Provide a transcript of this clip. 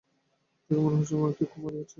দেখে মনে হচ্ছে, মাকিও খুব মজা পাচ্ছে।